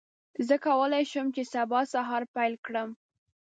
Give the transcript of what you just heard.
زه کولی شم چې سبا سهار پیل کړم.